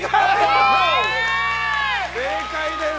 正解です！